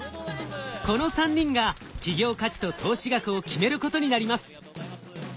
この３人が企業価値と投資額を決めることになります。